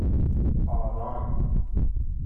آران